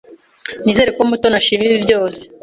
Nizere ko Mutoni ashima ibi byose.